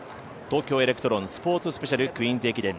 東京エレクトロンスポーツスペシャルクイーンズ駅伝